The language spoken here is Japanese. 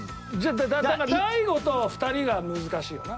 だから大悟と２人が難しいわな。